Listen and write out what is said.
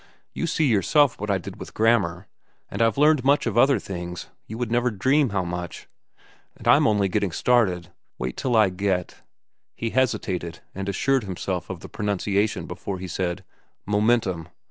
You see yourself what I did with grammar. And I've learned much of other things—you would never dream how much. And I'm only getting started. Wait till I get—" He hesitated and assured himself of the pronunciation before he said "momentum.